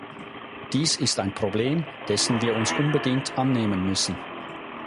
Dies ist ein Problem, dessen wir uns unbedingt annehmen müssen.